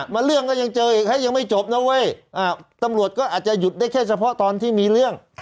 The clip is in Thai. มาเรื่องก็ยังเจออีกยังไม่จบนะเว้ยตำรวจก็อาจจะหยุดได้แค่เฉพาะตอนที่มีเรื่อง